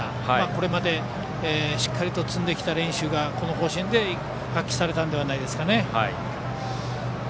これまで、しっかり積んできた練習がこの甲子園で発揮されたのではないですかね。